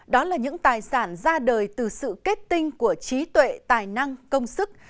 đó là những tài sản ra đời từ sự kết tinh của trí tuệ tài năng công sức